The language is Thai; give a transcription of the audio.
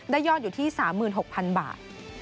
ยอดอยู่ที่๓๖๐๐๐บาท